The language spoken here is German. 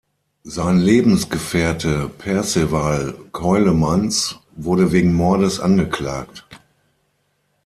Sein Lebensgefährte Perceval Ceulemans wurde wegen Mordes angeklagt.